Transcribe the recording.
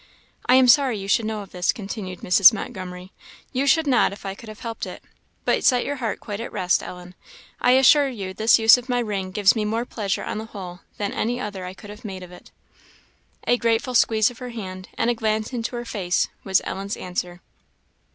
"I am sorry you should know of this," continued Mrs. Montgomery; "you should not if I could have helped it. But set your heart quite at rest, Ellen; I assure you this use of my ring gives me more pleasure on the whole than any other I could have made of it." A grateful squeeze of her hand and glance into her face was Ellen's answer.